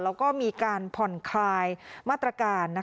เราก็มีการพลไคร์หมัดตรการ